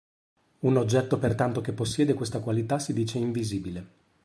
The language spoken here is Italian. Un oggetto pertanto che possiede questa qualità si dice invisibile.